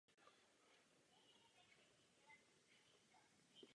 Na poslední rozloučení se dostavili zástupci německých i českých obcí z regionu.